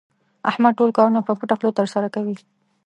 احمد ټول کارونه په پټه خوله ترسره کوي.